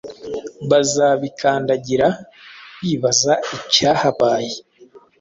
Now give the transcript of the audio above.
baza bikandagira, bibaza icyahabaye.